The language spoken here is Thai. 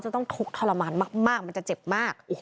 ต้องทุกข์ทรมานมากมันจะเจ็บมาก